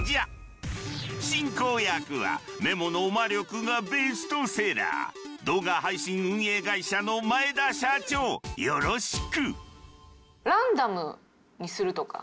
進行役は「メモの魔力」がベストセラー動画配信運営会社の前田社長よろしく！